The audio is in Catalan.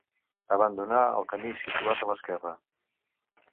Abandonar el camí situat a l'esquerra.